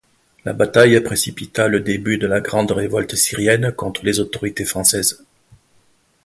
La bataille précipita le début de la Grande Révolte Syrienne contre les autorités françaises.